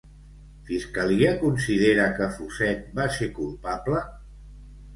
Fiscalia considera que Fuset va ser culpable?